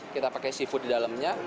kita pakai seafood di dalamnya